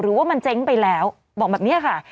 ว่ามันเจ๊งไปแล้วบอกแบบนี้ค่ะ